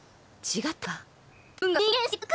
違ったか？